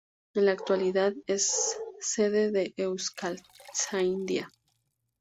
En la actualidad es sede de Euskaltzaindia.